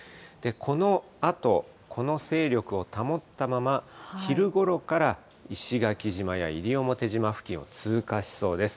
このあと、この勢力を保ったまま、昼ごろから石垣島や西表島付近を通過しそうです。